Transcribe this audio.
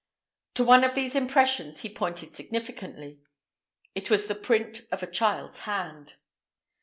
To one of these impressions he pointed significantly. It was the print of a child's hand.